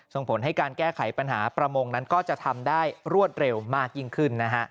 ส่งผลให้การแก้ไขปัญหาประมงนั้นก็จะทำได้รวดเร็วมากยิ่งขึ้นนะฮะ